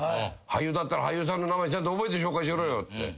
俳優だったら俳優さんの名前ちゃんと覚えて紹介しろよって。